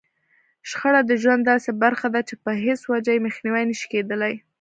شخړه د ژوند داسې برخه ده چې په هېڅ وجه يې مخنيوی نشي کېدلای.